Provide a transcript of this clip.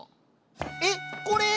えっこれ？